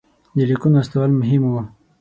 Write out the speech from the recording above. د لیکونو استول مهم وو.